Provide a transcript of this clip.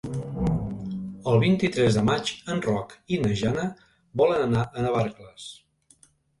El vint-i-tres de maig en Roc i na Jana volen anar a Navarcles.